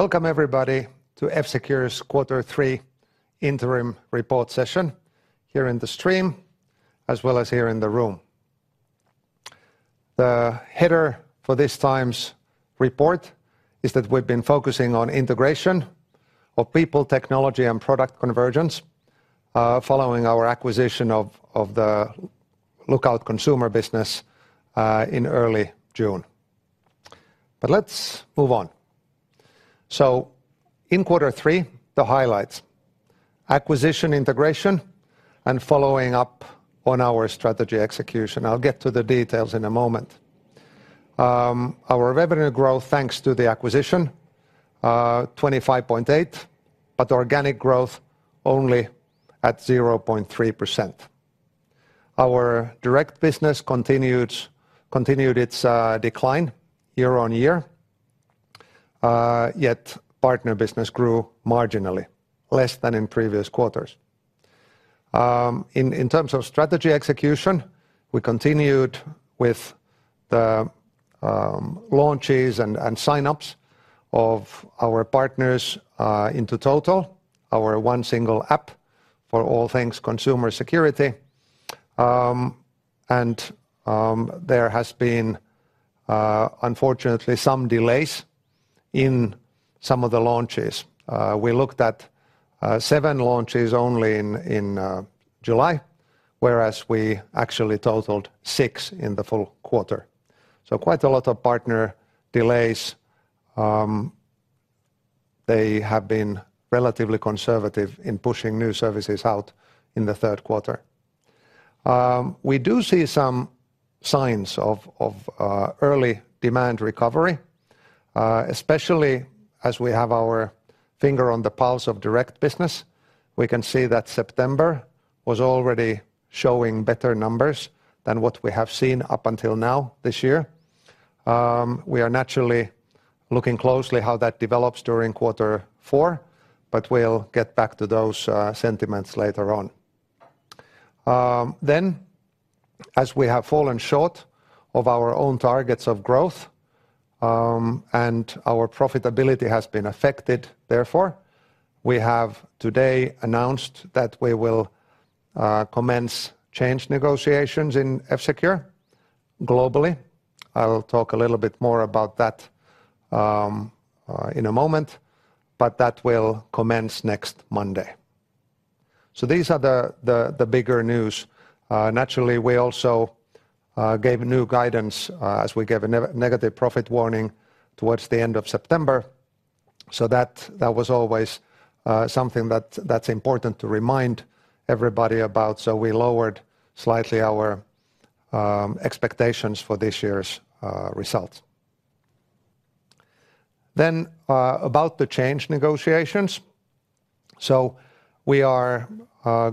Welcome everybody to F‑Secure's Quarter 3 interim report session here in the stream, as well as here in the room. The header for this time's report is that we've been focusing on integration of people, technology and product convergence following our acquisition of the Lookout consumer business in early June. But let's move on. in Quarter 3, the highlights: acquisition integration and following up on our strategy execution. I'll get to the details in a moment. Our revenue growth, thanks to the acquisition, 25.8%, but organic growth only at 0.3%. Our direct business continued its decline year-on-year, yet partner business grew marginally less than in previous quarters. In terms of strategy execution, we continued with the launches and sign-ups of our partners into Total, our one single app for all things consumer security. There has been, unfortunately, me delays in me of the launches. We looked at 7 launches only in July, whereas we actually Totaled 6 in the full quarter. quite a lot of partner delays. They have been relatively conservative in pushing new services out in the third quarter. We do see me signs of early demand recovery, especially as we have our finger on the pulse of direct business. We can see that September was already showing better numbers than what we have seen up until now this year. We are naturally looking closely how that develops during Quarter 4, but we'll get back to those sentiments later on. Then, as we have fallen short of our own targets of growth, and our profitability has been affected, therefore, we have today announced that we will commence change negotiations in F-Secure globally. I will talk a little bit more about that in a moment, but that will commence next Monday. these are the bigger news. Naturally, we also gave new guidance, as we gave a negative profit warning towards the end of September. that was always something that's important to remind everybody about, we lowered slightly our expectations for this year's results. Then, about the change negotiations. We are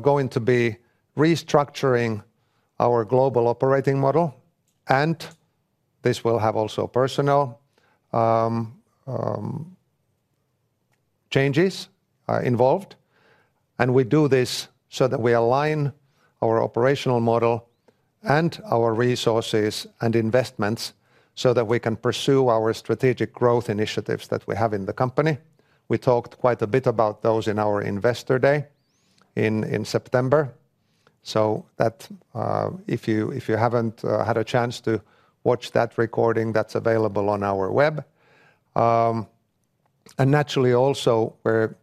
going to be restructuring our global operating model, and this will have also personnel changes involved. We do this that we align our operational model and our reurces and investments that we can pursue our strategic growth initiatives that we have in the company. We talked quite a bit about those in our Investor Day in September, that if you haven't had a chance to watch that recording, that's available on our web. Naturally, also, we're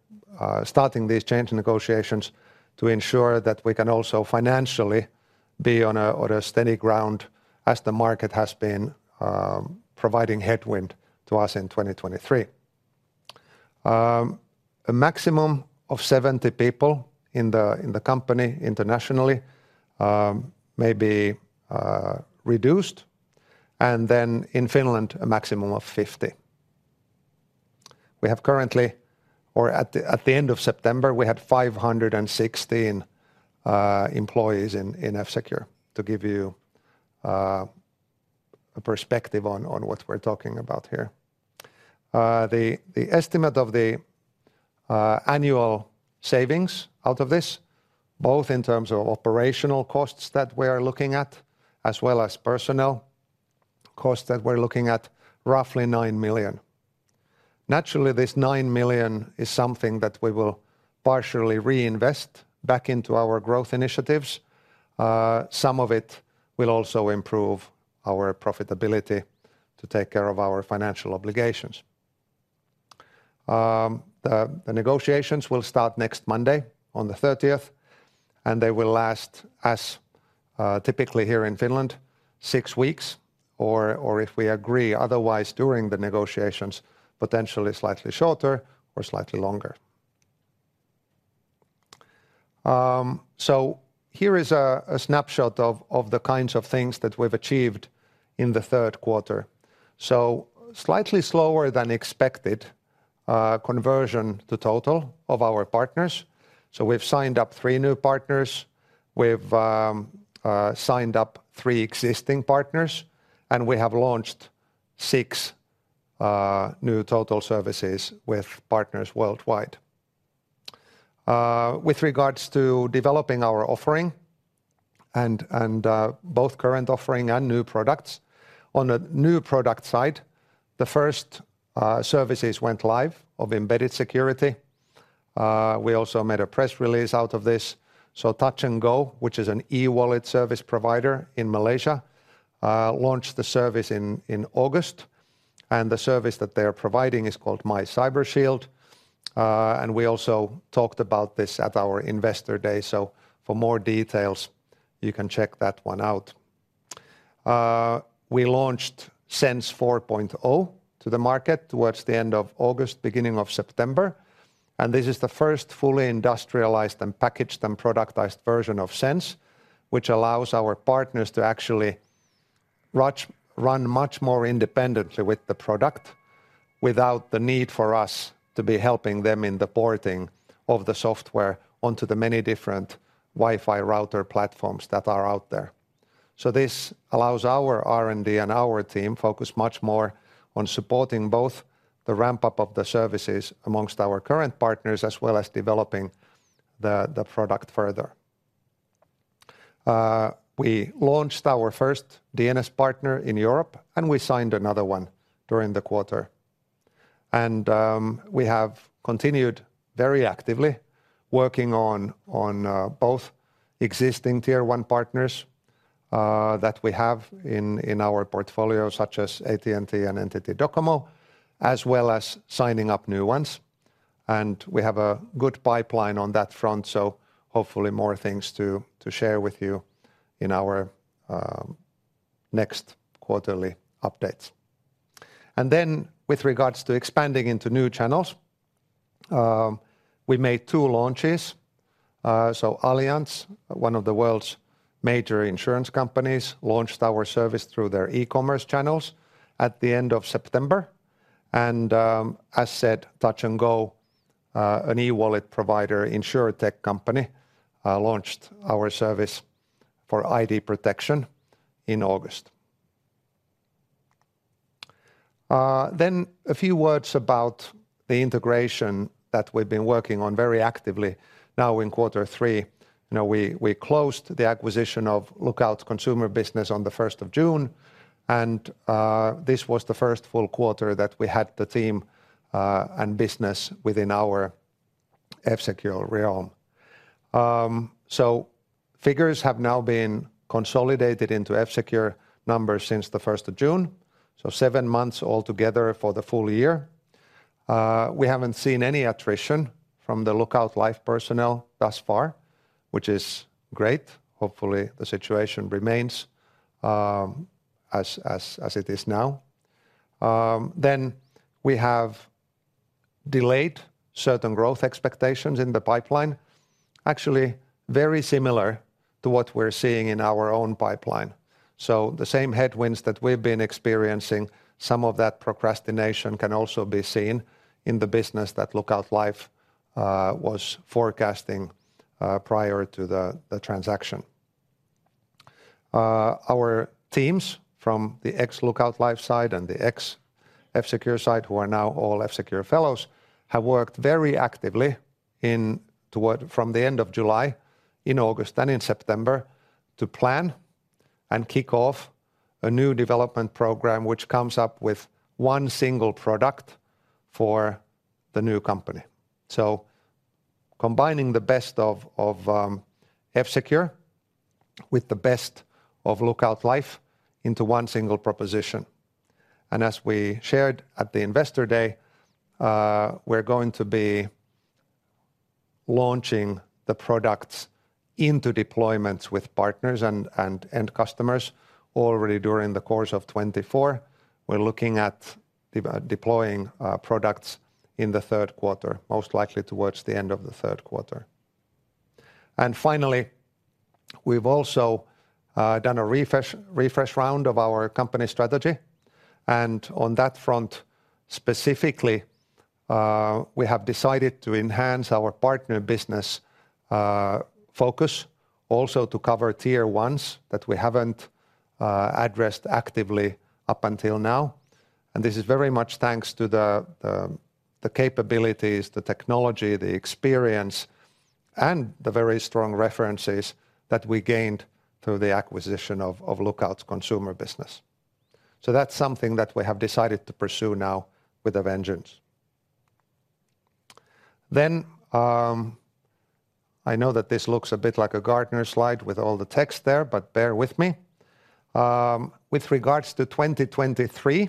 starting these change negotiations to ensure that we can also financially be on a steady ground as the market has been providing headwind to us in 2023. A maximum of 70 people in the company internationally may be reduced, and then in Finland, a maximum of 50. We have currently. Or at the end of September, we had 516 employees in F-Secure, to give you a perspective on what we're talking about here. The estimate of the annual savings out of this, both in terms of operational costs that we are looking at, as well as personnel costs, that we're looking at roughly € 9 million. Naturally, this € 9 million is something that we will partially reinvest back into our growth initiatives. me of it will also improve our profitability to take care of our financial obligations. The negotiations will start next Monday on the 30th, and they will last, as typically here in Finland, 6 weeks, or if we agree otherwise during the negotiations, potentially slightly shorter or slightly longer. here is a snapshot of the kinds of things that we've achieved in the third quarter. slightly slower than expected conversion to Total of our partners. we've signed up 3 new partners, we've signed up 3 existing partners, and we have launched 6 new Total services with partners worldwide. With regards to developing our offering, and both current offering and new products, on a new product side, the first services went live of embedded security. We also made a press release out of this. Touch 'n Go, which is an e-wallet service provider in Malaysia, launched the service in August, and the service that they are providing is called MyCyberShield. And we also talked about this at our investor day, for more details, you can check that one out. We launched SENSE 4.0 to the market towards the end of August, beginning of September, and this is the first fully industrialized, and packaged, and productized version of SENSE, which allows our partners to actually run much more independently with the product, without the need for us to be helping them in the porting of the software onto the many different Wi-Fi router platforms that are out there. This allows our R&D and our team focus much more on supporting both the ramp-up of the services among our current partners, as well as developing the product further. We launched our first DNS partner in Europe, and we signed another one during the quarter. We have continued very actively working on both existing tier one partners that we have in our portfolio, such as AT&T and NTT DOCOMO, as well as signing up new ones. We have a good pipeline on that front, hopefully more things to share with you in our next quarterly updates. Then, with regards to expanding into new channels, we made two launches. Allianz, one of the world's major insurance companies, launched our service through their e-commerce channels at the end of September, and, as said, Touch 'n Go, an e-wallet provider insurtech company, launched our service for ID protection in August. Then a few words about the integration that we've been working on very actively now in quarter three. we closed the acquisition of Lookout Consumer Business on the 1st of June, and this was the first full quarter that we had the team, and business within our F-Secure realm. figures have now been consolidated into F-Secure numbers since the 1st of June, seven months altogether for the full year. We haven't seen any attrition from the Lookout Life personnel thus far, which is great. Hopefully, the situation remains as it is now. Then we have delayed certain growth expectations in the pipeline, actually, very similar to what we're seeing in our own pipeline. the same headwinds that we've been experiencing, me of that procrastination can also be seen in the business that Lookout Life was forecasting prior to the transaction. Our teams from the ex-Lookout Life side and the ex-F-Secure side, who are now all F-Secure fellows, have worked very actively from the end of July, in August, and in September, to plan and kick off a new development program, which comes up with one single product for the new company. combining the best of F-Secure with the best of Lookout Life into one single proposition. As we shared at the Investor Day, we're going to be launching the products into deployments with partners and customers already during the course of 2024. We're looking at deploying products in the third quarter, most likely towards the end of the 3rd quarter. Finally, we've also done a refresh round of our company strategy, and on that front specifically, we have decided to enhance our partner business focus, also to cover Tier 1 that we haven't addressed actively up until now. This is very much thanks to the capabilities, the technology, the experience, and the very strong references that we gained through the acquisition of Lookout's consumer business. that's something that we have decided to pursue now with a vengeance. Then, I know that this looks a bit like a Gartner slide with all the text there, but bear with me. With regards to 2023,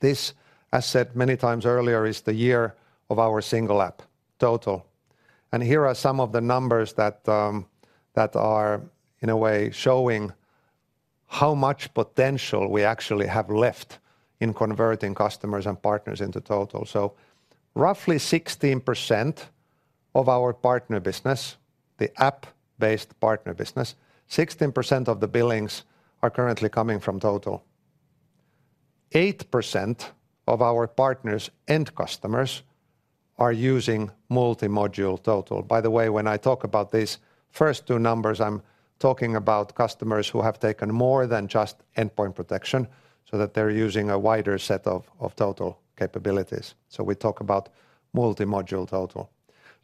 this, as said many times earlier, is the year of our single app, Total. And here are me of the numbers that, that are, in a way, showing how much potential we actually have left in converting customers and partners into Total. roughly 16% of our partner business, the app-based partner business, 16% of the billings are currently coming from Total. 8% of our partners' end customers are using multi-module Total. By the way, when I talk about these first two numbers, I'm talking about customers who have taken more than just endpoint protection, that they're using a wider set of, of Total capabilities. we talk about multi-module Total.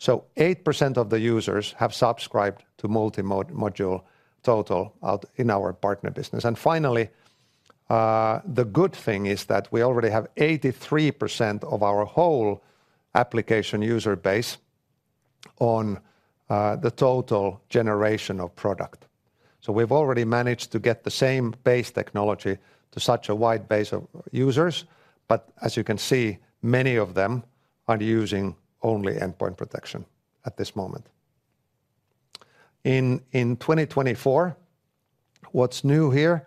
8% of the users have subscribed to multi-module Total out in our partner business. And finally, the good thing is that we already have 83% of our whole application user base on the Total generation of product. we've already managed to get the same base technology to such a wide base of users, but as you can see, many of them are using only endpoint protection at this moment. In 2024, what's new here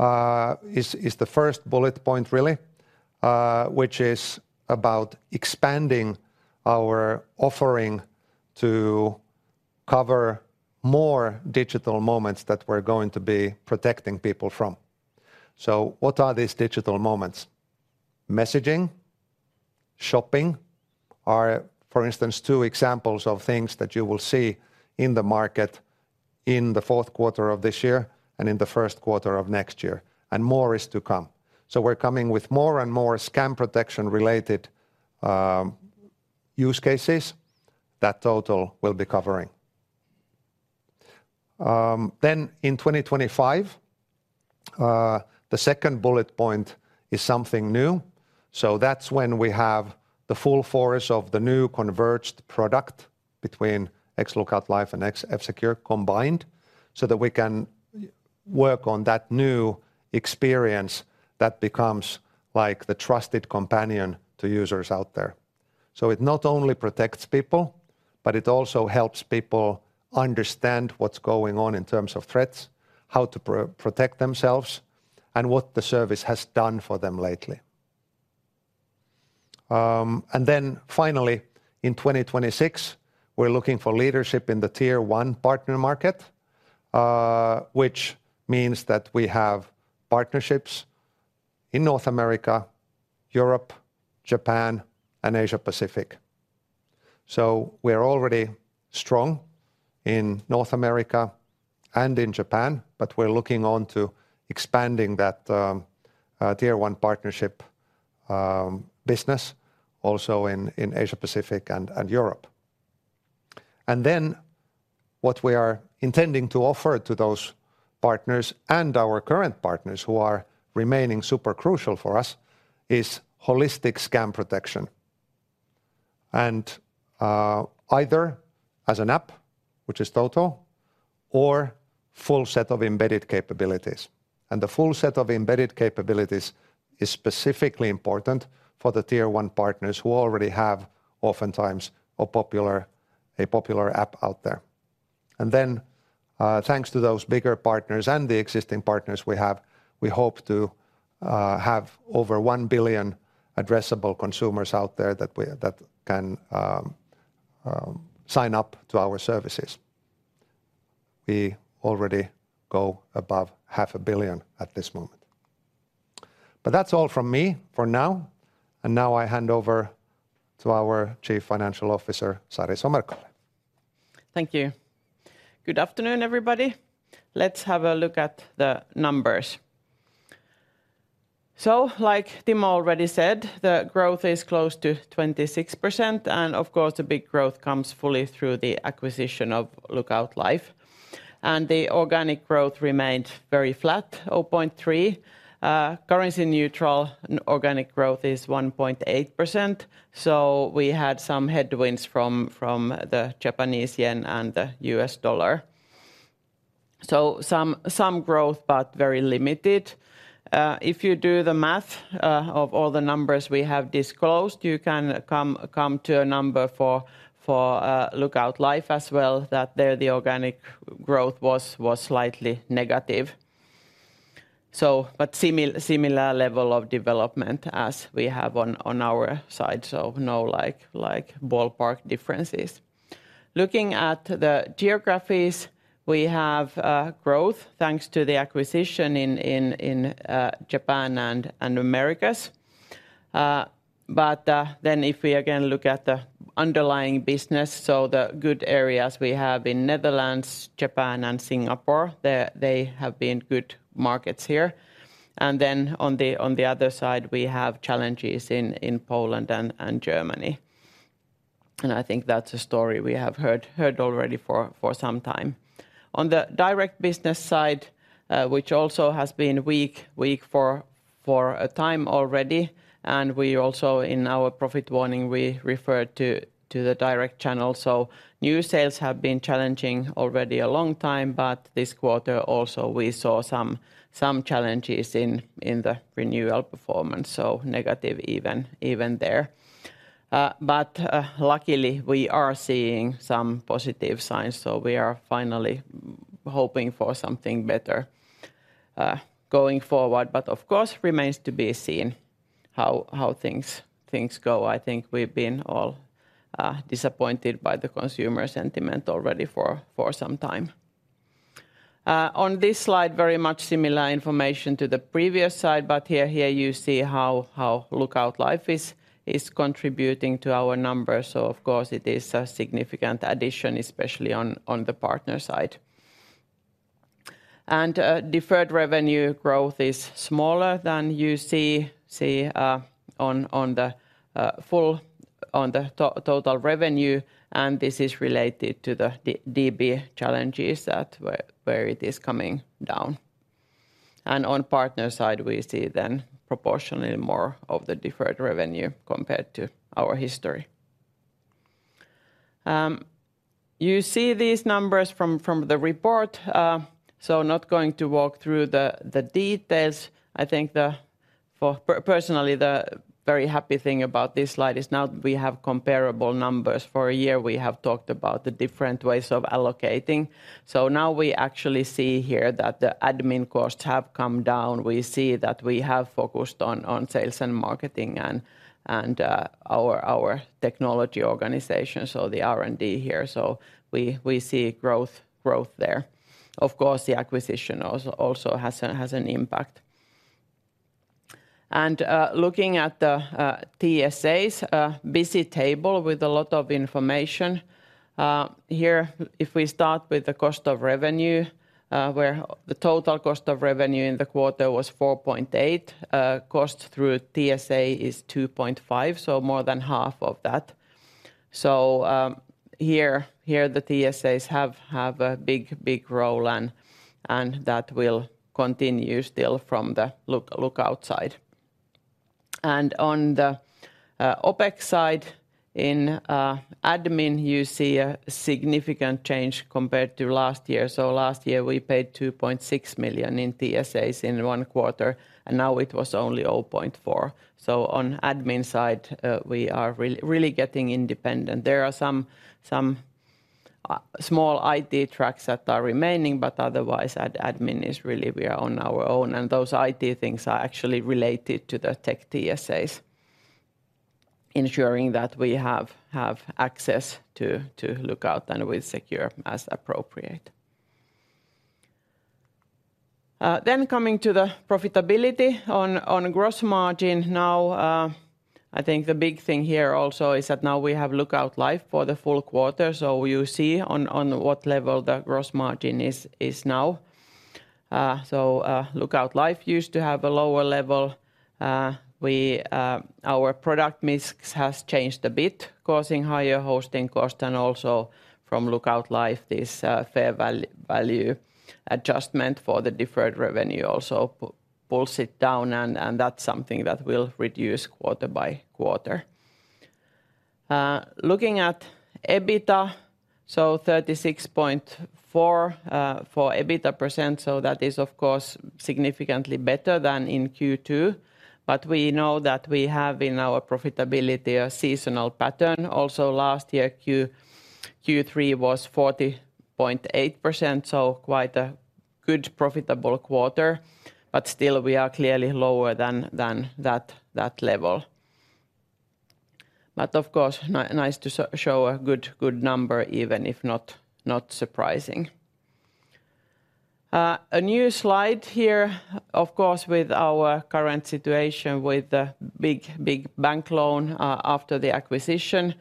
is the first bullet point really, which is about expanding our offering to cover more digital moments that we're going to be protecting people from. what are these digital moments? Messaging, shopping are, for instance, two examples of things that you will see in the market in the fourth quarter of this year and in the 1st quarter of next year, and more is to come. we're coming with more and more scam protection-related use cases that Total will be covering. Then in 2025, the second bullet point is something new. that's when we have the full force of the new converged product between Lookout Life and F-Secure combined, that we can work on that new experience that becomes like the trusted companion to users out there. it not only protects people, but it also helps people understand what's going on in terms of threats, how to protect themselves, and what the service has done for them lately. And then finally, in 2026, we're looking for leadership in the tier one partner market, which means that we have partnerships in North America, Europe, Japan, and Asia Pacific. we're already strong in North America and in Japan, but we're looking on to expanding that tier 1 partnership business also in Asia Pacific and Europe. And then, what we are intending to offer to those partners, and our current partners who are remaining super crucial for us, is holistic scam protection. And either as an app, which is Total, or full set of embedded capabilities. And the full set of embedded capabilities is specifically important for the tier one partners who already have, oftentimes, a popular, a popular app out there. And then, thanks to those bigger partners and the existing partners we have, we hope to have over 1 billion addressable consumers out there that we. That can sign up to our services. We already go above half a billion at this moment. But that's all from me for now, and now I hand over to our Chief Financial Officer, Sari Somerkallio. Thank you. Good afternoon, everybody. Let's have a look at the numbers. , like Timo already said, the growth is close to 26%, and of course, the big growth comes fully through the acquisition of Lookout Life. And the organic growth remained very flat, 0.3. Currency neutral and organic growth is 1.8%, we had me headwinds from the Japanese yen and the U.S. dollar. me growth, but very limited. If you do the math of all the numbers we have disclosed, you can come to a number for Lookout Life as well, that there the organic growth was slightly negative., but similar level of development as we have on our side, no like ballpark differences. Looking at the geographies, we have growth, thanks to the acquisition in Japan and Americas. But then if we again look at the underlying business, the good areas we have in Netherlands, Japan, and Singapore, they have been good markets here. And then on the other side, we have challenges in Poland and Germany. And I think that's a story we have heard already for me time. On the direct business side, which also has been weak for a time already, and we also in our profit warning, we referred to the direct channel. new sales have been challenging already a long time, but this quarter also, we saw me challenges in the renewal performance, negative even there. But, luckily, we are seeing me positive signs, we are finally hoping for something better, going forward. But of course, remains to be seen how things go. I think we've been all disappointed by the consumer sentiment already for me time. On this slide, very much similar information to the previous slide, but here you see how Lookout Life is contributing to our numbers. of course, it is a significant addition, especially on the partner side. Deferred revenue growth is smaller than you see on the Total revenue, and this is related to the DB challenges that it is coming down. And on partner side, we see then proportionally more of the deferred revenue compared to our history. You see these numbers from the report, not going to walk through the details. I think, personally, the very happy thing about this slide is now we have comparable numbers. For a year, we have talked about the different ways of allocating. now we actually see here that the admin costs have come down. We see that we have focused on sales and marketing and our technology organization, the R&D here, we see growth there. Of course, the acquisition also has an impact. And looking at the TSAs, a busy table with a lot of information. Here, if we start with the cost of revenue, where the Total cost of revenue in the quarter was € 4.8 million, cost through TSA is € 2.5 million, more than half of that., here, the TSAs have a big role and that will continue still from the Lookout side and on the OPEX side, in admin, you see a significant change compared to last year. last year, we paid € 2.6 million in TSAs in one quarter, and now it was only € 0.4 million. on admin side, we are really getting independent. There are me small IT tracks that are remaining, but otherwise, admin is really we are on our own, and those IT things are actually related to the tech TSAs, ensuring that we have access to Lookout and we secure as appropriate. Then coming to the profitability on gross margin now, I think the big thing here also is that now we have Lookout Life for the full quarter, you see on what level the gross margin is now. Lookout Life used to have a lower level. We. Our product mix has changed a bit, causing higher hosting cost and also from Lookout Life, this fair value adjustment for the deferred revenue also pulls it down, and that's something that will reduce quarter by quarter. Looking at EBITDA, 36.4% for EBITDA, that is, of course, significantly better than in Q2, but we know that we have in our profitability a seasonal pattern. Al, last year, Q3 was 40.8%, quite a good profitable quarter, but still we are clearly lower than that level. But of course, nice to show a good, good number, even if not surprising. A new slide here, of course, with our current situation with the big bank loan after the acquisition,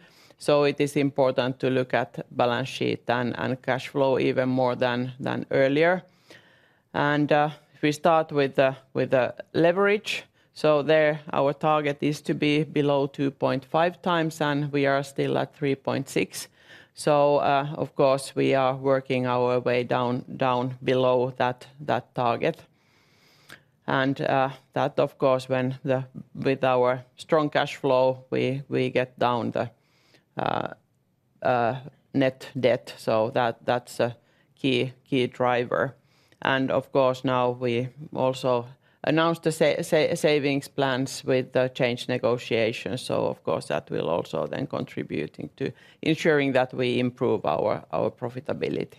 it is important to look at balance sheet and cash flow even more than earlier. If we start with the leverage, there, our target is to be below 2.5 times, and we are still at 3.6., of course, we are working our way down, down below that target. With our strong cash flow, we get down the net debt, that's a key driver. And of course, now we also announced the savings plans with the change negotiation, of course, that will also then contributing to ensuring that we improve our profitability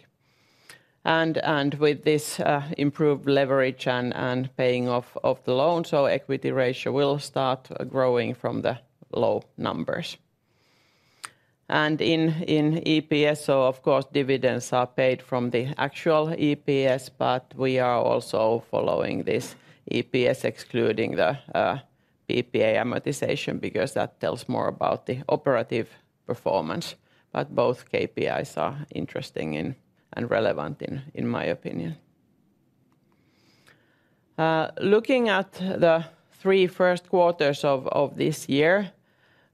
and with this, improved leverage and paying off the loan, equity ratio will start growing from the low numbers. And in EPS, of course, dividends are paid from the actual EPS, but we are also following this EPS, excluding the PPA amortization, because that tells more about the operative performance. But both KPIs are interesting and relevant in my opinion. Looking at the 3 first quarters of this year,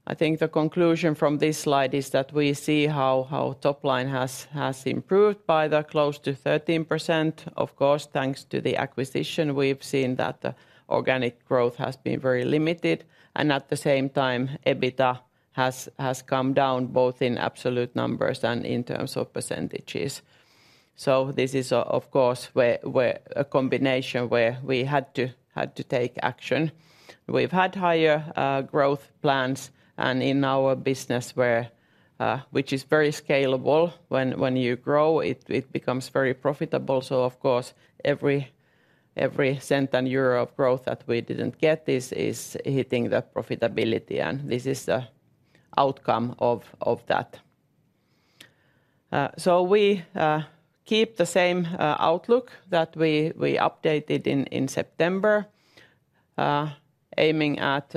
I think the conclusion from this slide is that we see how top line has improved by close to 13%. Of course, thanks to the acquisition, we've seen that the organic growth has been very limited, and at the same time, EBITDA has come down, both in absolute numbers and in terms of percentages. this is of course where a combination where we had to take action. We've had higher growth plans, and in our business where which is very scalable, when you grow, it becomes very profitable. of course, every cent and euro of growth that we didn't get is hitting the profitability, and this is the outcome of that. we keep the same outlook that we updated in September, aiming at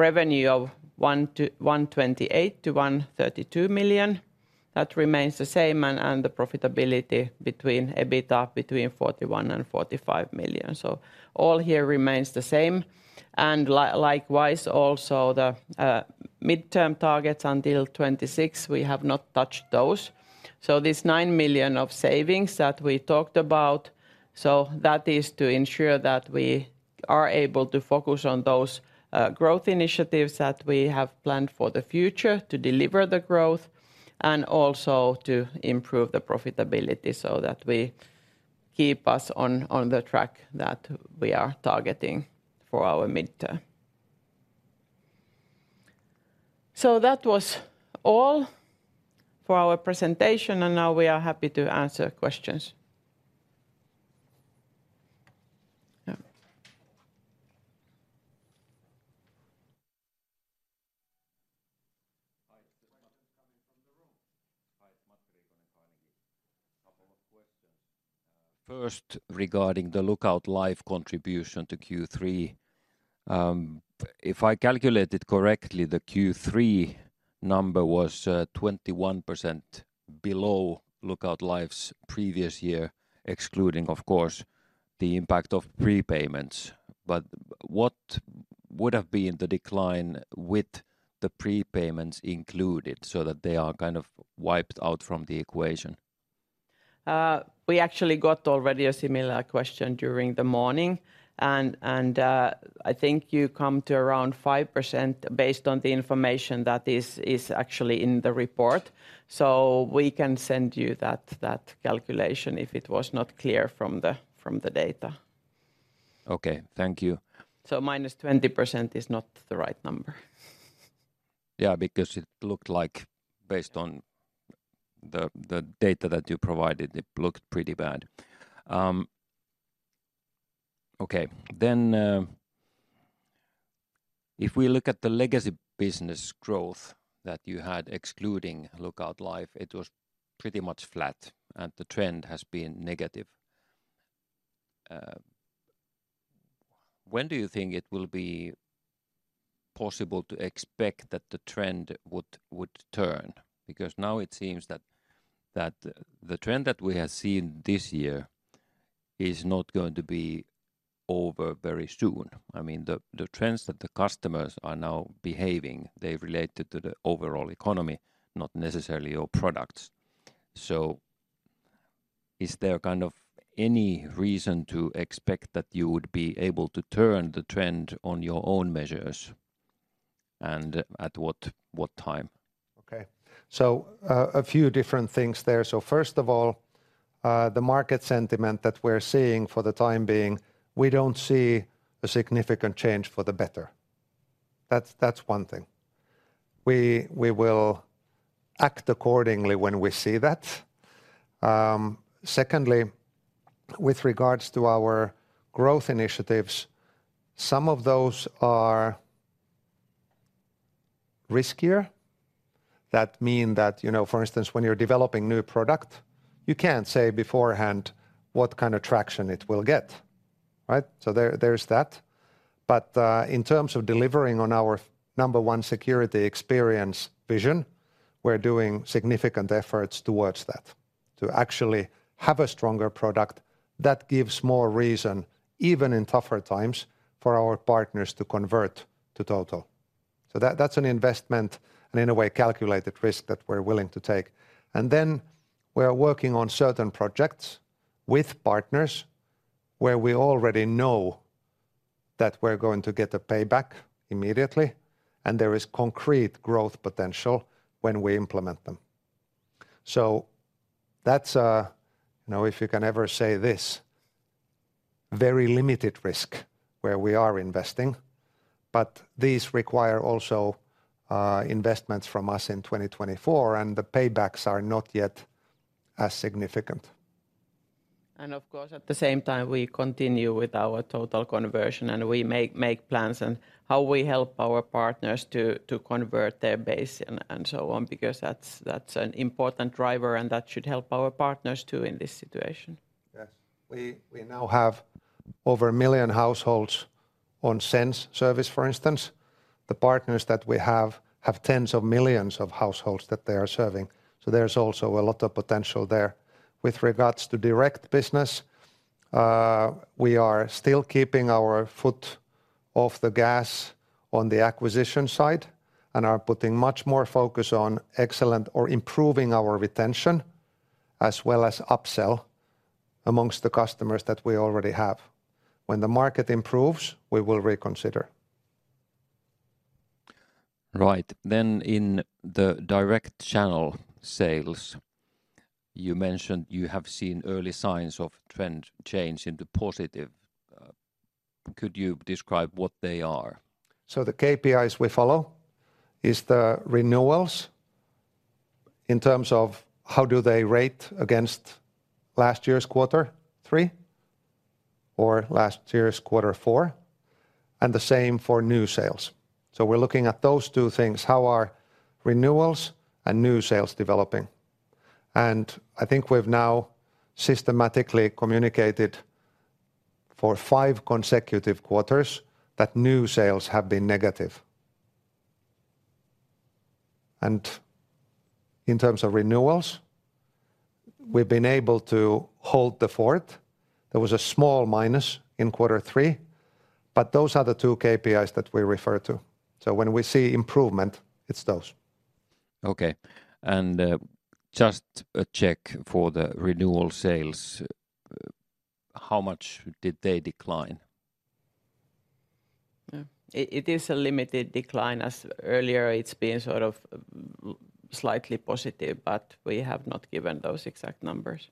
revenue of € 128 million-€ 132 million. That remains the same, and the profitability between EBITDA between € 41 million and € 45 million. all here remains the same. And likewise, also, the midterm targets until 2026, we have not touched those. this € 9 million of savings that we talked about, that is to ensure that we are able to focus on those growth initiatives that we have planned for the future to deliver the growth, and also to improve the profitability that we keep us on the track that we are targeting for our midterm. that was all for our presentation, and now we are happy to answer questions. First, regarding the Lookout Life contribution to Q3, if I calculated correctly, the Q3 number was 21% below Lookout Life's previous year, excluding, of course, the impact of prepayments. But what would have been the decline with the prepayments included, that they are kind of wiped out from the equation? We actually got already a similar question during the morning, and I think you come to around 5% based on the information that is actually in the report. we can send you that calculation if it was not clear from the data. Okay. Thank you. -20% is not the right number. Because it looked like, based on the data that you provided, it looked pretty bad. Okay, then, if we look at the legacy business growth that you had, excluding Lookout Life, it was pretty much flat, and the trend has been negative. When do you think it will be possible to expect that the trend would turn? Because now it seems that the trend that we have seen this year is not going to be over very on. I mean, the trends that the customers are now behaving, they're related to the overall economy, not necessarily your products. is there kind of any reason to expect that you would be able to turn the trend on your own measures, and at what time? Okay, a few different things there. first of all, the market sentiment that we're seeing for the time being, we don't see a significant change for the better. That's, that's one thing. We, we will act accordingly when we see that. Secondly, with regards to our growth initiatives, me of those are riskier. That mean that, for instance, when you're developing new product, you can't say beforehand what kind of traction it will get, right? there, there is that. But, in terms of delivering on our number one security experience vision, we're doing significant efforts towards that, to actually have a stronger product that gives more reason, even in tougher times, for our partners to convert to Total. that- that's an investment, and in a way, calculated risk that we're willing to take. And then we are working on certain projects with partners, where we already know that we're going to get a payback immediately, and there is concrete growth potential when we implement them. that's a, if you can ever say this, very limited risk where we are investing, but these require also investments from us in 2024, and the paybacks are not yet as significant. And of course, at the same time, we continue with our Total conversion, and we make plans on how we help our partners to convert their base and on, because that's an important driver, and that should help our partners, too, in this situation. Yes. We now have over 1 million households on SENSE service, for instance. The partners that we have have tens of millions of households that they are serving, there's also a lot of potential there. With regards to direct business, we are still keeping our foot off the gas on the acquisition side, and are putting much more focus on excellent or improving our retention, as well as upsell amongst the customers that we already have. When the market improves, we will reconsider. Then in the direct channel sales, you mentioned you have seen early signs of trend change in the positive. Could you describe what they are? The KPIs we follow is the renewals, in terms of how do they rate against last year's Quarter 3 or last year's Quarter 4, and the same for new sales. We're looking at those two things: How are renewals and new sales developing? I think we've now systematically communicated for five consecutive quarters that new sales have been negative. In terms of renewals, we've been able to hold the fort. There was a small minus in quarter three, but those are the two KPIs that we refer to. When we see improvement, it's those. Okay. And, just a check for the renewal sales. How much did they decline? It is a limited decline, as earlier it's been sort of slightly positive, but we have not given those exact numbers.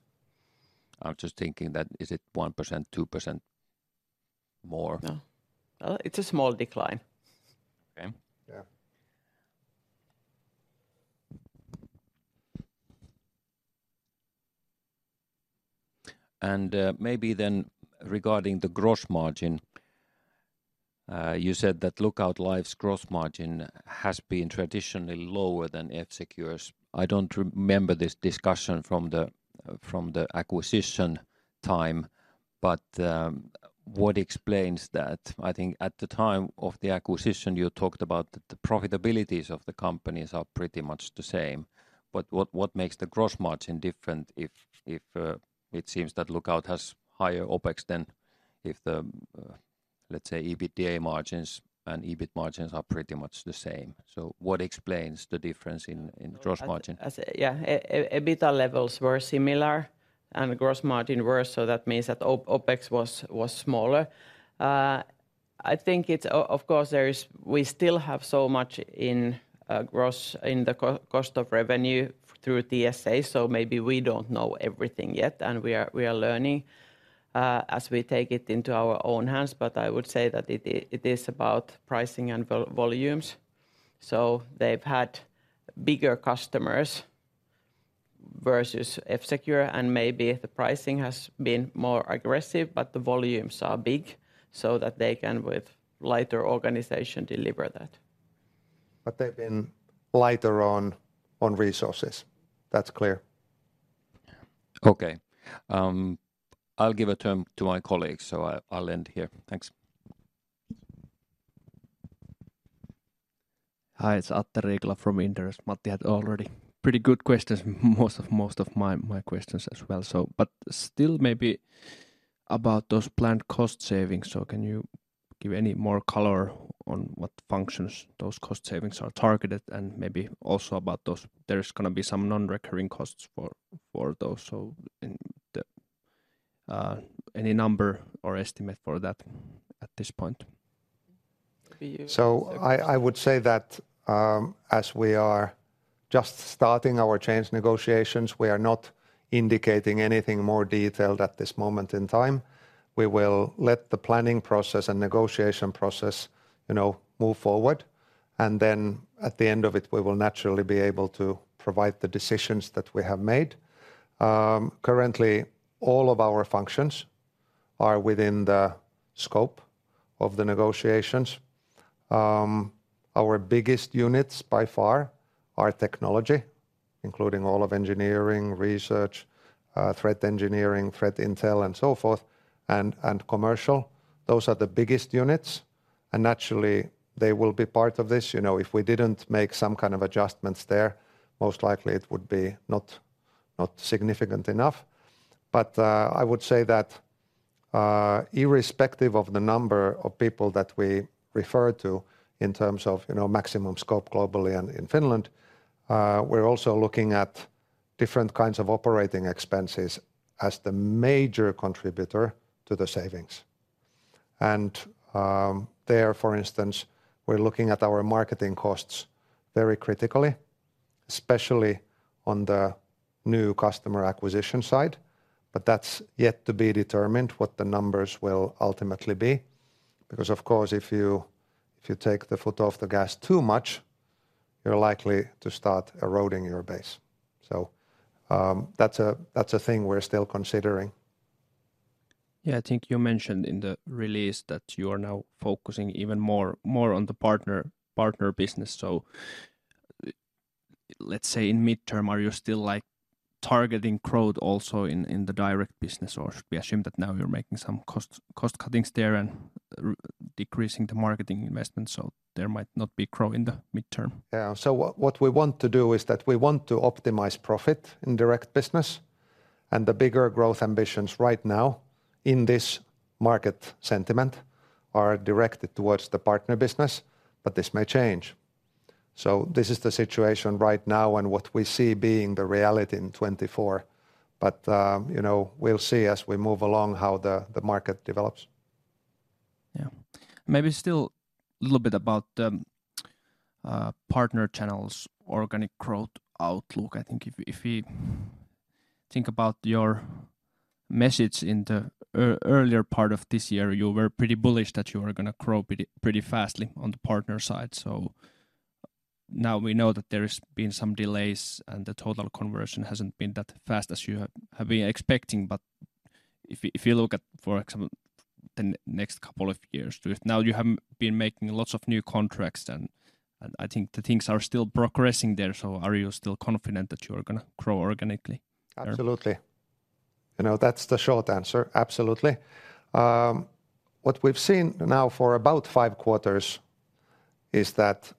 I'm just thinking that is it 1%, 2%, more? No. Well, it's a small decline. Okay. Maybe then regarding the gross margin, you said that Lookout Life's gross margin has been traditionally lower than F-Secure's. I don't remember this discussion from the acquisition time, but what explains that? I think at the time of the acquisition, you talked about the profitabilities of the companies are pretty much the same. But what makes the gross margin different if it seems that Lookout has higher OPEX than if the, let's say, EBITDA margins and EBIT margins are pretty much the same? what explains the difference in gross margin? EBITDA levels were similar, and the gross margin were, that means that OPEX was smaller. I think it's. Of course, there is—we still have much in gross, in the cost of revenue through TSA, maybe we don't know everything yet, and we are learning as we take it into our own hands. But I would say that it is about pricing and volumes. they've had bigger customers versus F-Secure, and maybe the pricing has been more aggressive, but the volumes are big, that they can, with lighter organization, deliver that. But they've been lighter on resources. That's clear. Okay. I'll give a turn to my colleagues, I'll end here. Thanks. Hi, it's Atte Riikola from Inderes. Matti had already pretty good questions, most of my questions as well,. But still maybe about those planned cost savings. can you give any more color on what functions those cost savings are targeted, and maybe also about those? There's gonna be me non-recurring costs for those, any number or estimate for that at this point? For you- I would say that, as we are just starting our change negotiations, we are not indicating anything more detailed at this moment in time. We will let the planning process and negotiation process, move forward, and then at the end of it, we will naturally be able to provide the decisions that we have made. Currently, all of our functions are within the scope of the negotiations. Our biggest units by far are technology, including all of engineering, research, threat engineering, threat intel, and forth, and commercial. Those are the biggest units, and naturally, they will be part of this. if we didn't make me kind of adjustments there, most likely it would be not significant enough. But, I would say that, irrespective of the number of people that we refer to in terms of, maximum scope globally and in Finland, we're al looking at different kinds of operating expenses as the major contributor to the savings. And, there, for instance, we're looking at our marketing costs very critically, especially on the new customer acquisition side, but that's yet to be determined what the numbers will ultimately be. Because, of course, if you, if you take the foot off the gas too much, you're likely to start eroding your base., that's a, that's a thing we're still considering. Yeah, I think you mentioned in the release that you are now focusing even more on the partner business. let's say, in midterm, are you still, like, targeting growth al in the direct business, or should we assume that now you're making me cost cuttings there and decreasing the marketing investment, there might not be growth in the midterm? What we want to do is that we want to optimize profit in direct business, and the bigger growth ambitions right now in this market sentiment are directed towards the partner business, but this may change. this is the situation right now and what we see being the reality in 2024. But, we'll see as we move along, how the market develops. Yeah. Maybe still a little bit about the partner channels, organic growth outlook. I think if we think about your message in the earlier part of this year, you were pretty bullish that you were gonna grow pretty fast on the partner side. now we know that there has been me delays, and the Total conversion hasn't been that fast as you have been expecting, but if you look at, for example, the next couple of years, you now have been making lots of new contracts, and I think the things are still progressing there. are you still confident that you are gonna grow organically? Ablutely. that's the short answer. Ablutely. What we've seen now for about five quarters is that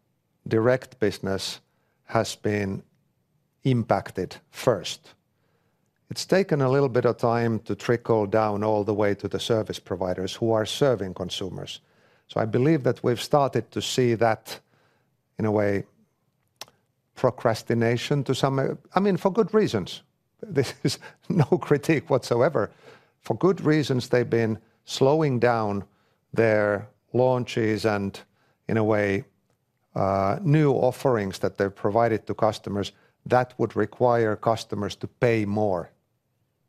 direct business has been impacted first. It's taken a little bit of time to trickle down all the way to the service providers who are serving consumers. I believe that we've started to see that, in a way, procrastination to me. I mean, for good reans. This is no critique whatever. For good reans, they've been slowing down their launches and, in a way, new offerings that they've provided to customers that would require customers to pay more.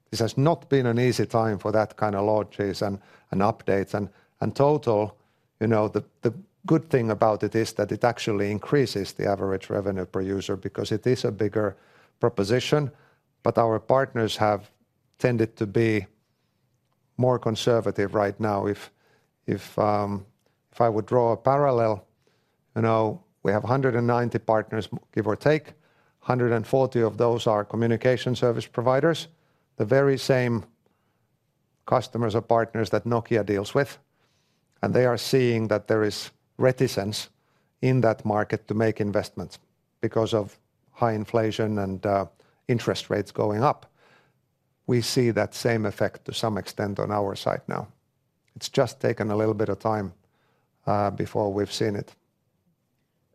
This has not been an easy time for that kind of launches and updates. Total, the good thing about it is that it actually increases the average revenue per user, because it is a bigger proposition, but our partners have tended to be more conservative right now. If I would draw a parallel, we have 190 partners, give or take. 140 of those are communication service providers, the very same customers or partners that Nokia deals with, and they are seeing that there is reticence in that market to make investments because of high inflation and interest rates going up. We see that same effect, to me extent, on our side now. It's just taken a little bit of time before we've seen it.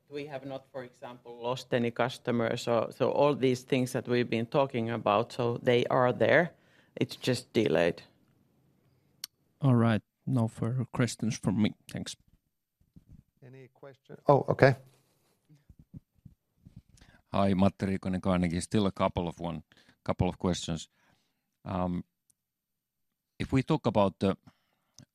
We have not, for example, lost any customers,, all these things that we've been talking about, they are there, it's just delayed. All right. No further questions from me. Thanks. Any question - oh, okay. Hi, Matti Kotilainen. Still a couple of questions. If we talk about the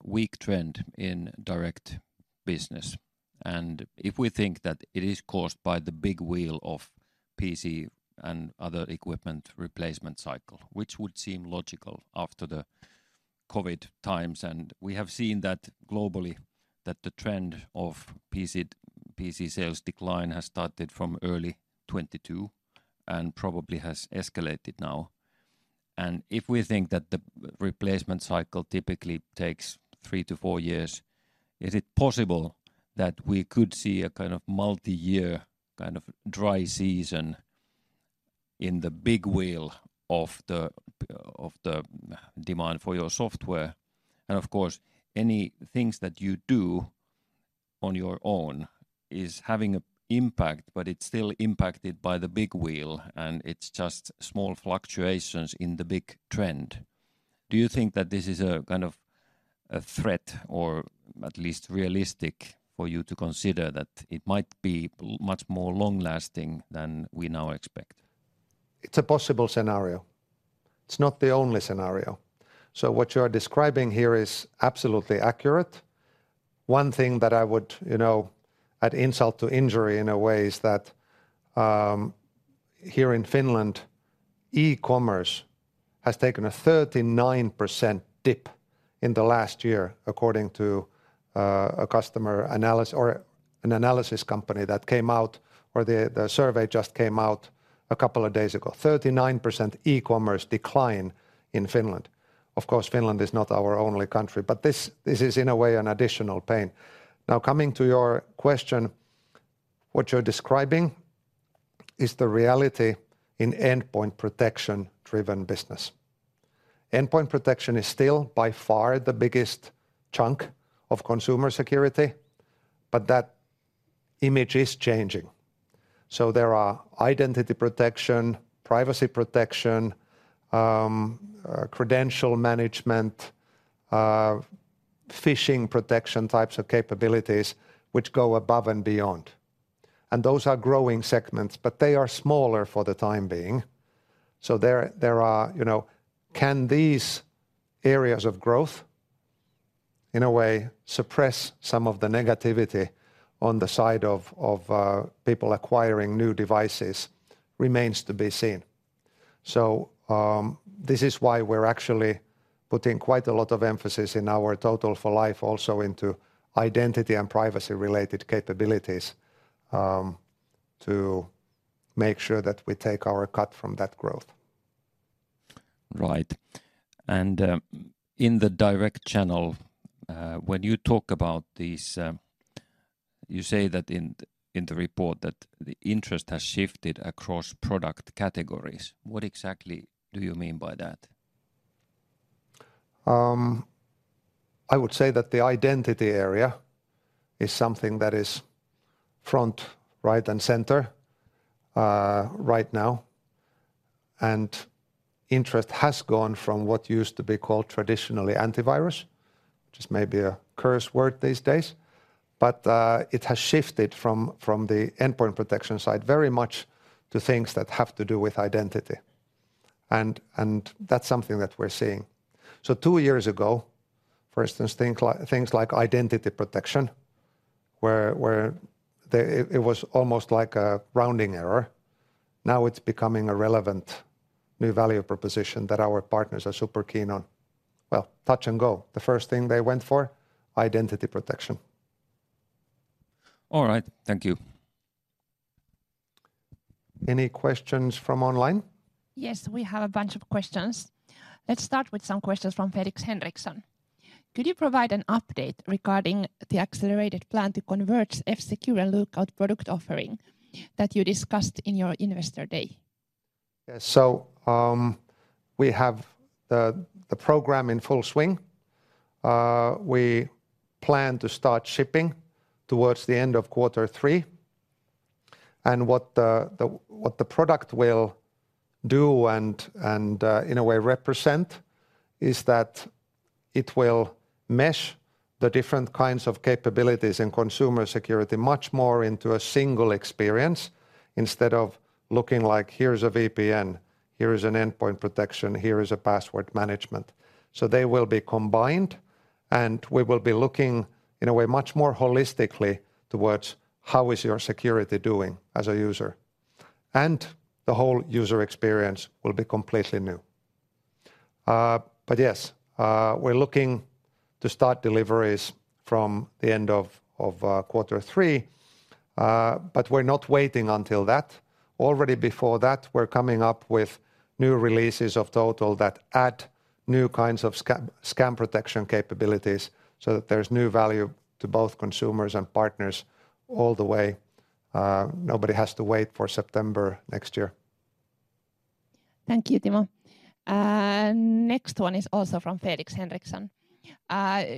weak trend in direct business, and if we think that it is caused by the big wheel of PC and other equipment replacement cycle, which would seem logical after the COVID times, and we have seen that globally, that the trend of PC sales decline has started from early 2022 and probably has escalated now. And if we think that the replacement cycle typically takes 3-4 years, is it possible that we could see a kind of multi-year, kind of dry season in the big wheel of the of the demand for your software? And of course, any things that you do on your own is having a impact, but it's still impacted by the big wheel, and it's just small fluctuations in the big trend. Do you think that this is a kind of a threat, or at least realistic for you to consider, that it might be much more long-lasting than we now expect? It's a possible scenario. It's not the only scenario. what you are describing here is ablutely accurate. One thing that I would, add insult to injury in a way, is that here in Finland, e-commerce has taken a 39% dip in the last year, according to an analysis company; the survey just came out a couple of days ago. 39% e-commerce decline in Finland. Of course, Finland is not our only country, but this is, in a way, an additional pain. Now, coming to your question, what you're describing is the reality in endpoint protection-driven business. Endpoint protection is still by far the biggest chunk of consumer security, but that image is changing. there are identity protection, privacy protection, credential management, phishing protection types of capabilities which go above and beyond, and those are growing segments, but they are smaller for the time being. there are, you know. Can these areas of growth, in a way, suppress me of the negativity on the side of, of, people acquiring new devices, remains to be seen., this is why we're actually putting quite a lot of emphasis in our Total for Life, also into identity and privacy-related capabilities, to make sure that we take our cut from that growth. Right. And in the direct channel, when you talk about these, you say that in the report that the interest has shifted across product categories. What exactly do you mean by that? I would say that the identity area is something that is front, right, and center right now, and interest has gone from what used to be called traditionally antivirus, which is maybe a curse word these days. But it has shifted from the Endpoint Protection side very much to things that have to do with identity, and that's something that we're seeing. two years ago, for instance, things like Identity Protection where it was almost like a rounding error. Now it's becoming a relevant new value proposition that our partners are super keen on. Well, Touch 'n Go. The first thing they went for, Identity Protection. All right. Thank you. Any questions from online? Yes, we have a bunch of questions. Let's start with me questions from Felix Henriksson. Could you provide an update regarding the accelerated plan to convert F-Secure and Lookout product offering that you discussed in your Investor Day? We have the program in full swing. We plan to start shipping towards the end of quarter 3, and what the product will do, and in a way represent, is that it will mesh the different kinds of capabilities in consumer security much more into a single experience, instead of looking like, here's a VPN, here is an endpoint protection, here is a password management. they will be combined, and we will be looking, in a way, much more holistically towards how is your security doing as a user? And the whole user experience will be completely new. But yes, we're looking to start deliveries from the end of quarter 3, but we're not waiting until that. Already before that, we're coming up with new releases of Total that add new kinds of scam protection capabilities, that there's new value to both consumers and partners all the way. Nobody has to wait for September next year. Thank you, Timo. And next one is also from Felix Henriksson.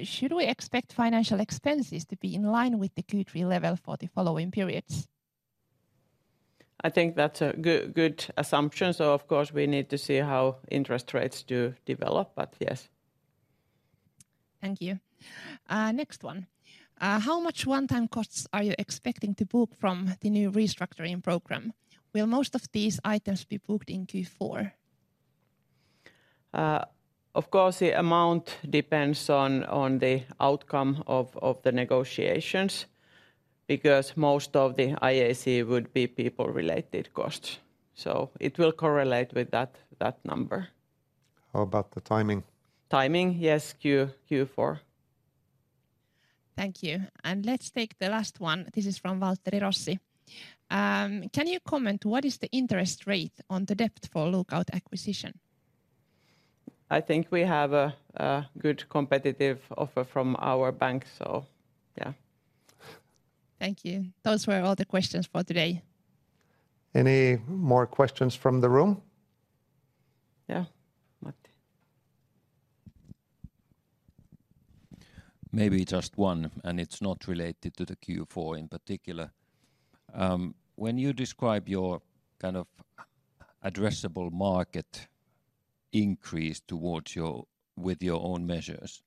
Should we expect financial expenses to be in line with the Q3 level for the following periods? I think that's a good, good assumption, of course, we need to see how interest rates do develop, but yes. Thank you. Next one. How much one-time costs are you expecting to book from the new restructuring program? Will most of these items be booked in Q4? Of course, the amount depends on the outcome of the negotiations, because most of the IAC would be people-related costs. it will correlate with that number. How about the timing? Timing? Yes, Q4. Thank you. Let's take the last one. This is from Waltteri Rossi. Can you comment, what is the interest rate on the debt for Lookout acquisition? I think we have a good competitive offer from our bank. Thank you. Those were all the questions for today. Any more questions from the room? Yeah, Matti. Maybe just one, and it's not related to the Q4 in particular. When you describe your kind of addressable market increase towards your with your own measures,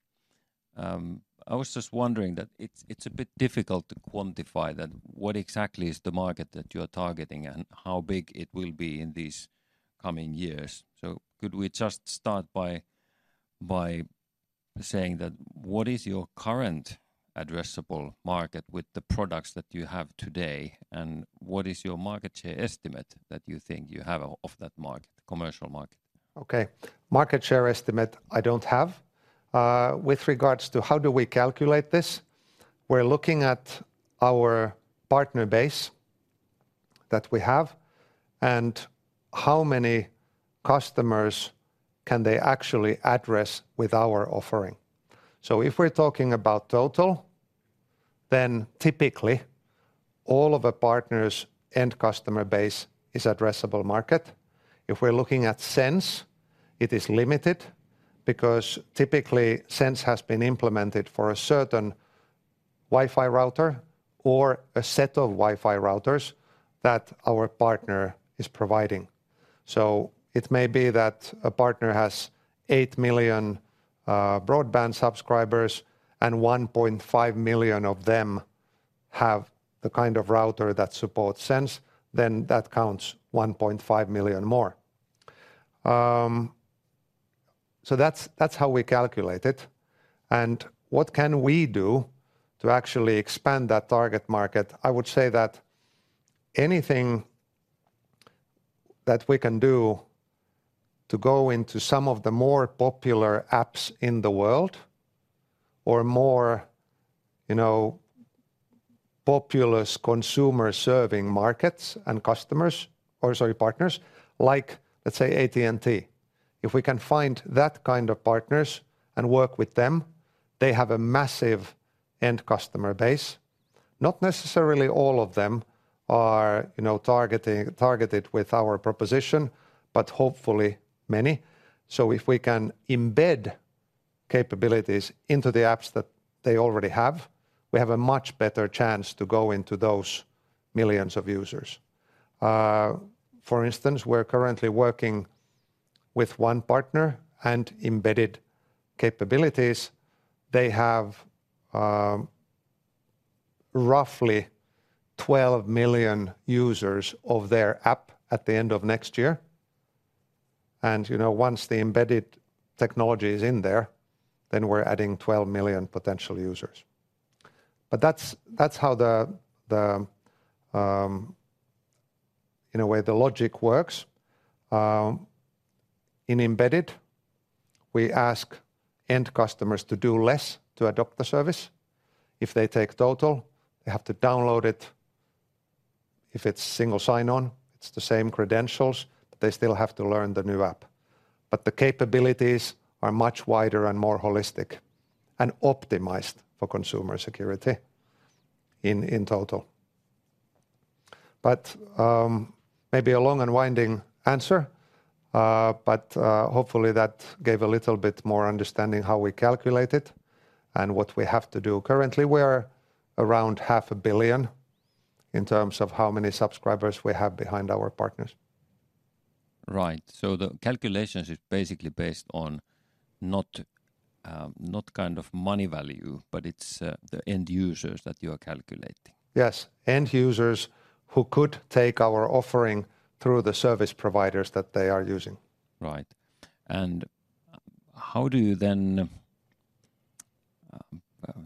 I was just wondering that it's a bit difficult to quantify that. What exactly is the market that you're targeting, and how big it will be in these coming years? could we just start by saying that, what is your current addressable market with the products that you have today, and what is your market share estimate that you think you have of that market, commercial market? Okay, market share estimate, I don't have. With regards to how do we calculate this, we're looking at our partner base that we have, and how many customers can they actually address with our offering? if we're talking about Total, then typically, all of the partners' end customer base is addressable market. If we're looking at Sense, it is limited, because typically, Sense has been implemented for a certain Wi-Fi router or a set of Wi-Fi routers that our partner is providing. it may be that a partner has 8 million broadband subscribers, and 1.5 million of them have the kind of router that supports Sense, then that counts 1.5 million more. that's how we calculate it. And what can we do to actually expand that target market? I would say that anything that we can do to go into me of the more popular apps in the world, or more, populous consumer-serving markets and customers, or rry, partners, like, let's say AT&T. If we can find that kind of partners and work with them, they have a massive end customer base. Not necessarily all of them are, targeted with our proposition, but hopefully many. if we can embed capabilities into the apps that they already have, we have a much better chance to go into those millions of users. For instance, we're currently working with one partner and embedded capabilities. They have roughly 12 million users of their app at the end of next year. And, once the embedded technology is in there, then we're adding 12 million potential users. But that's how the in a way the logic works. In embedded, we ask end customers to do less to adopt the service. If they take Total, they have to download it. If it's single sign-on, it's the same credentials, but they still have to learn the new app. But the capabilities are much wider and more holistic, and optimized for consumer security in Total. But maybe a long and winding answer, but hopefully that gave a little bit more understanding how we calculate it and what we have to do. Currently, we're around half a billion in terms of how many subscribers we have behind our partners. Right. the calculations is basically based on not kind of money value, but it's the end users that you are calculating? Yes, end users who could take our offering through the service providers that they are using. Right. And how do you then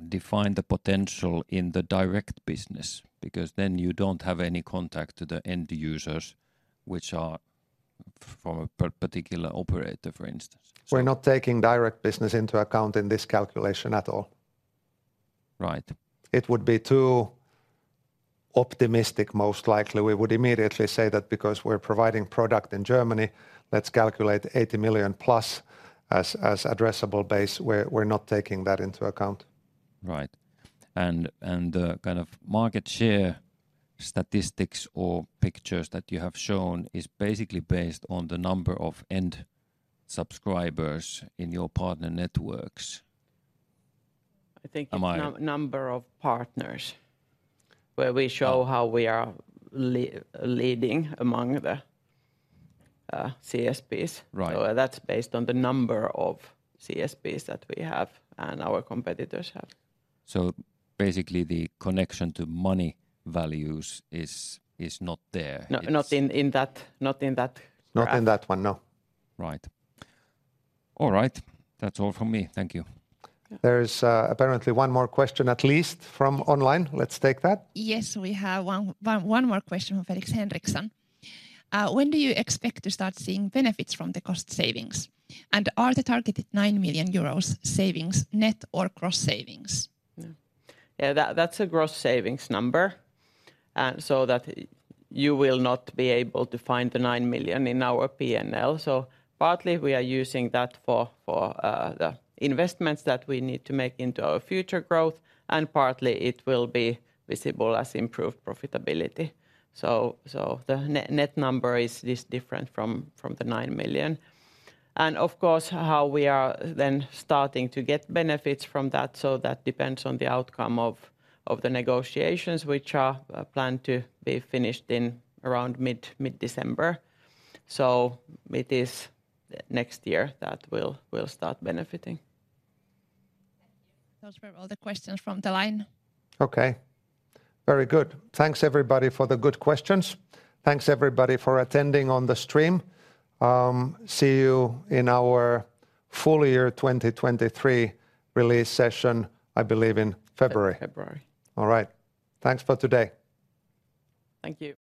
define the potential in the direct business? Because then you don't have any contact to the end users, which are from a particular operator, for instance? We're not taking direct business into account in this calculation at all. It would be too optimistic, most likely. We would immediately say that because we're providing product in Germany, let's calculate 80 million-plus as addressable base. We're not taking that into account. Kind of market share statistics or pictures that you have shown is basically based on the number of end subscribers in your partner networks. Am I- I think it's number of partners, where we show how we are leading among the CSPs. That's based on the number of CSPs that we have, and our competitors have. basically, the connection to money values is not there? It's- No, not in that graph. Not in that one, no. All right, that's all from me. Thank you. There is, apparently one more question, at least, from online. Let's take that. Yes, we have one more question from Felix Henriksson. When do you expect to start seeing benefits from the cost savings? And are the targeted € 9 million savings net or gross savings? Yeah, that's a gross savings number. that you will not be able to find the € 9 million in our P&L. partly, we are using that for the investments that we need to make into our future growth, and partly it will be visible as improved profitability. the net number is different from the € 9 million. And of course, how we are then starting to get benefits from that, that depends on the outcome of the negotiations, which are planned to be finished in around mid-December. it is next year that we'll start benefiting. Thank you. Those were all the questions from the line. Okay. Very good. Thanks, everybody, for the good questions. Thanks, everybody, for attending on the stream. See you in our full year 2023 release session, I believe in February. All right. Thanks for today. Thank you.